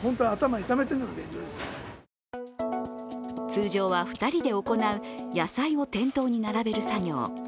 通常は２人で行う野菜を店頭に並べる作業。